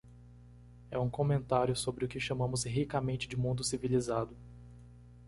É um comentário sobre o que chamamos ricamente de mundo civilizado.